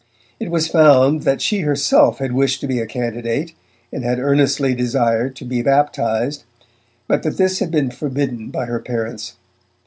It was found that she herself had wished to be a candidate and had earnestly desired to be baptized, but that this had been forbidden by her parents.